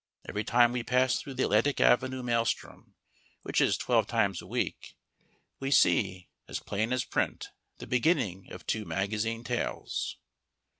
Every time we pass through the Atlantic Avenue maelstrom, which is twelve times a week, we see, as plain as print, the beginning of two magazine tales.